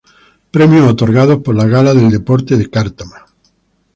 Premios otorgados por la Gala del Deporte de Cártama.